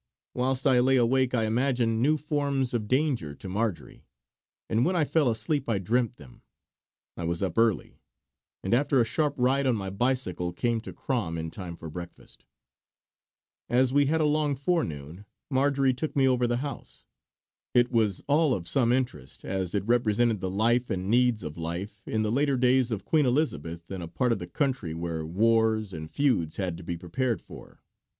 Whilst I lay awake I imagined new forms of danger to Marjory; and when I fell asleep I dreamt them. I was up early, and after a sharp ride on my bicycle came to Crom in time for breakfast. As we had a long forenoon, Marjory took me over the house. It was all of some interest, as it represented the life and needs of life in the later days of Queen Elizabeth in a part of the country where wars and feuds had to be prepared for.